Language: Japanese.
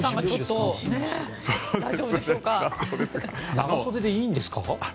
長袖でいいんですか？